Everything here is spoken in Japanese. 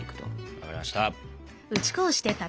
分かりました。